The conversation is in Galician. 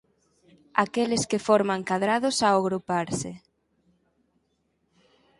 Aqueles que forman cadrados ao agruparse.